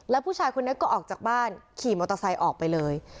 แล้วผู้ชายคนนี้ก็ออกจากบ้านขี่มอเตอร์ไซค์ออกไปเลย